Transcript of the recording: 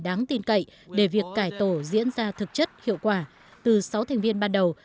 đáng tin cậy để việc cải tổ diễn ra thực chất hiệu quả từ sáu thành viên ban đầu